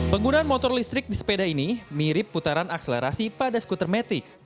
penggunaan motor listrik di sepeda ini mirip putaran akselerasi pada skuter metik